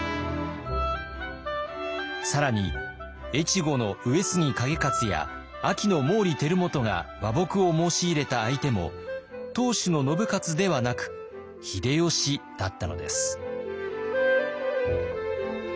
更に越後の上杉景勝や安芸の毛利輝元が和睦を申し入れた相手も当主の信雄ではなく秀吉だったのです。